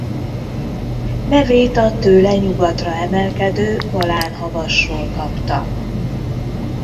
Nevét a tőle nyugatra emelkedő Balán-havasról kapta.